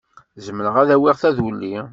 Zemreɣ ad awiɣ taduli?